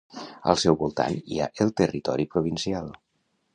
Al seu voltant hi ha el territori provincial.